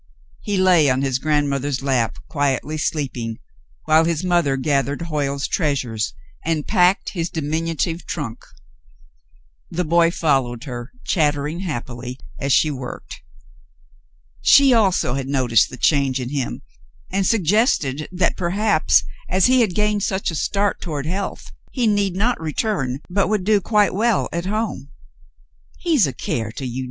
He lay on his grandmother's lap quietly sleeping, while his mother gathered Hoyle's treasures, and packed his diminutive trunk. The boy foUow^ed her, chattering happily as she worked. She also had noticed the change in him, and suggested that perhaps, as he had gained such a start toward health, he need not return, but would do quite well at home. "He's a care to you.